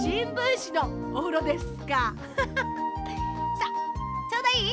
さあちょうどいい？